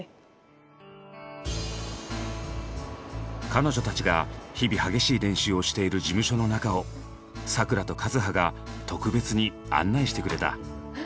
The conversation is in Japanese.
彼女たちが日々激しい練習をしている事務所の中をサクラとカズハが特別に案内してくれた。